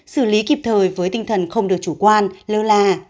xử lý kịp thời với tinh thần không được chủ quan lơ là